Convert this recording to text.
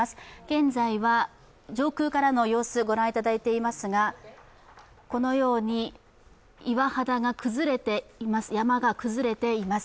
現在は上空からの様子、ご覧いただいていますがこのように岩肌が崩れています。